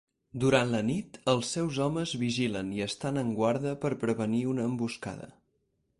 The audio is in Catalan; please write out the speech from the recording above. Durant la nit els seus homes vigilen i estan en guarda per prevenir una emboscada.